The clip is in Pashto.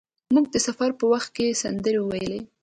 موږ د سفر په وخت کې سندرې ویل.